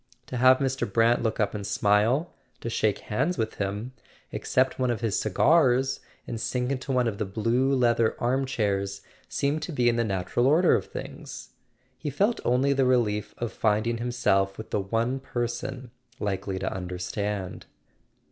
To have Mr. Brant look up and smile, to shake hands with him, accept one of his cigars, and sink into one of the blue leather arm chairs, seemed to be in the natural order of things. He felt only the relief of find¬ ing himself with the one person likely to understand.